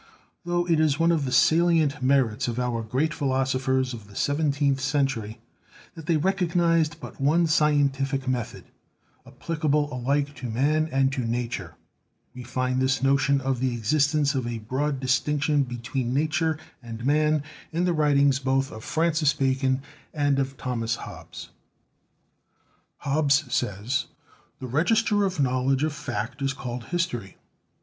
Tho it is one of the salient merits of our great philosophers of the seven teenth century, that they recognised but one scientific method, applicable alike to man and to nature, we find this notion of the existence of a broad distinction between nature and man in the writings both of Francis Bacon and of Thomas Hobbes. Hobbes says: 'The register of knowledge of fact is called history.